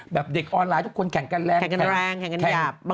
แบบเด็กออนไลน์ทุกคนแข่งกันแรงแข่งกันแยาบ